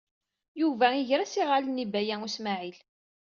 Yuba iger-as iɣallen i Baya U Smaɛil.